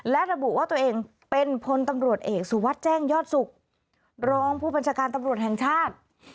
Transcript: และระบุว่าตัวเองเป็นพลตำรวจเอกสุวัสดิ์แจ้งยอดสุขรองผู้บัญชาการตำรวจแห่งชาติ